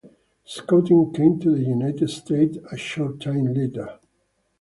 Scouting came to the United States a short time later.